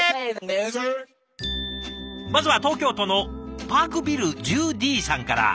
まずは東京都のパークビル１０Ｄさんから。